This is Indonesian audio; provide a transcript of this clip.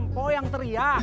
kok yang teriak